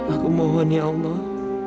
aku mohon ya allah